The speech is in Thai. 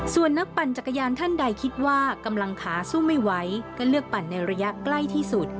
ส่วนนักปั่นจักรยานท่านใดคิดว่ากำลังขาสู้ไม่ไหวก็เลือกปั่นในระยะใกล้ที่สุด